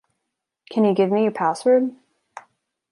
Can you give me your password?